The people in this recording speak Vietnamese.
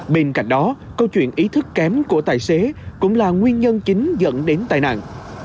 bên cạnh đó câu chuyện ý thức kém của tài xế cũng là nguyên nhân chính dẫn đến tai nạn